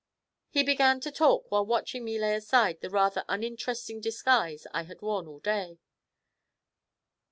He began to talk while watching me lay aside the rather uninteresting disguise I had worn all day.